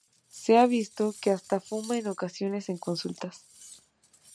Se ha visto que hasta fuma en ocasiones en consultas.